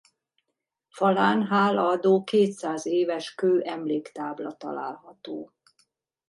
Falán hálaadó kétszáz éves kő emléktábla található.